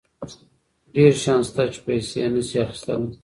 ډېر شیان شته چې پیسې یې نشي اخیستلی.